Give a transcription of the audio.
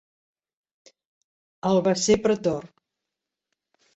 El va ser pretor.